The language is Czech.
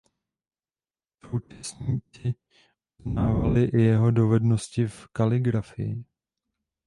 Současníci uznávali i jeho dovednosti v kaligrafii.